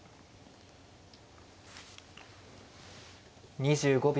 ２５秒。